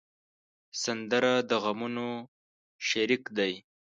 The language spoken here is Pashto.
سندره د غمونو شریک دی